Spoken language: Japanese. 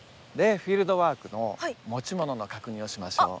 フィールドワークの持ち物の確認をしましょう。